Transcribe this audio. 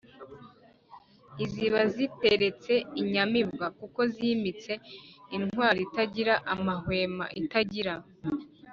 iziba ziteretse inyamibwa: kuko zimitse intwari itagira amahwema, itagira